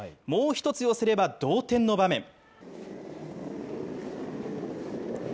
もう１つ寄せれば同点の場面。